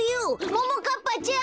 ももかっぱちゃん！